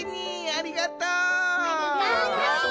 ありがとう！